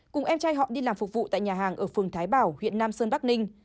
cùng em trai họ đi làm phục vụ tại nhà hàng ở phường thái bảo huyện nam sơn bắc ninh